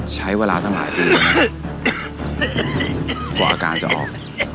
ใช้เวลาตั้งหลายปีกว่าอาการจะออก